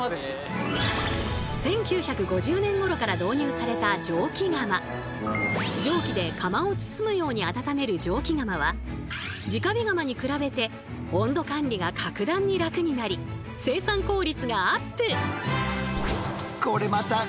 しかしこの蒸気で釜を包むように温める蒸気釜は直火釜に比べて温度管理が格段に楽になり生産効率がアップ！